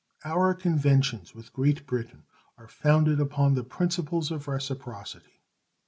Our conventions with Great Britain are founded upon the principles of reciprocity.